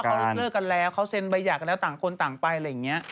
เขาเลือกเรากันแล้วเขาเซนใบยากันแล้วต่างคนต่างไป